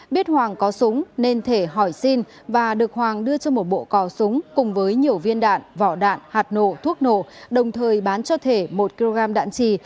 biết hoàng có súng nên thể hỏi xin và được hoàng đưa cho một bộ cò súng cùng với nhiều viên đạn vỏ đạn hạt nổ thuốc nổ đồng thời bán cho thể một kg đạn trì